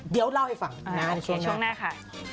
เดี๋ยวเล่าให้ฟังนะช่วงหน้าค่ะ